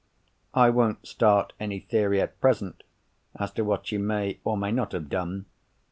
I won't start any theory, at present, as to what she may or may not have done.